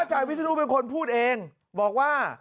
พ่ออาจารย์วิศนุเป็นคนพูดเองบอกว่า